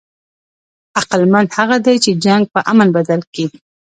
عقلمند هغه دئ، چي جنګ په امن بدل کي.